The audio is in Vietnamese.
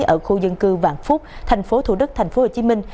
ở khu dân cư vạn phúc thành phố thủ đức thành phố hồ chí minh